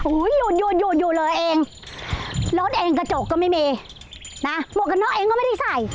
โอ้โหหยุดอยู่เลยเองรถเองกระจกก็ไม่มีนะหมวกกันน็อกเองก็ไม่ได้ใส่